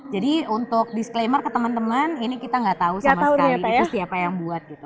jadi untuk disclaimer ke teman teman ini kita gak tahu sama sekali